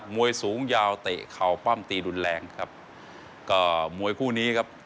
วยสูงยาวเตะเข่าปั้มตีรุนแรงครับก็มวยคู่นี้ครับ